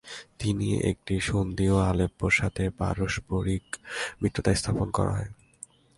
তিনি একটি সন্ধি ও আলেপ্পোর সাথে পারস্পরিক মিত্রতা স্থাপন করা হয়।